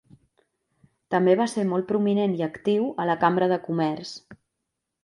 També va ser molt prominent i actiu a la Cambra de Comerç.